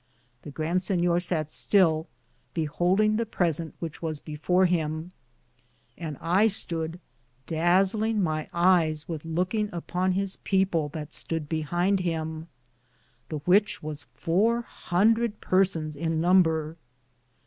The Grand Sinyor satt still, behouldinge the presente which was befor him, and I stood daslinge my eyes with loukinge upon his people that stood behinde him, the which was four hundrethe persons in number.